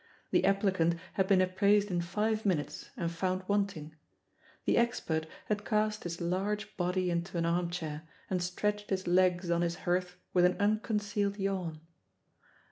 The applicant had been appraised in five minutes, and found wanting; the expert had cast his large body into an arm chair and stretched his legs on his hearth with an unconcealed yawn.